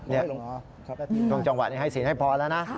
นี่ช่วงจังหวะนี้ให้ศีลให้พอแล้วนะ